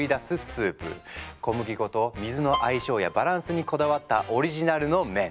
小麦粉と水の相性やバランスにこだわったオリジナルの麺。